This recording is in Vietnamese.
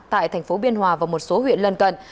tại thành phố biên hòa và một số huyện lân cận